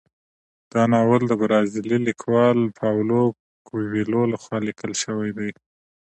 دا ناول د برازیلي لیکوال پاولو کویلیو لخوا لیکل شوی دی.